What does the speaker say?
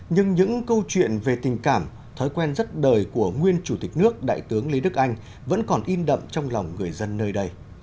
nhưng những câu chuyện về tình cảm thói quen rất đời của nguyên chủ tịch nước đại tướng lý đức anh vẫn còn in đậm trong lòng người dân nơi đây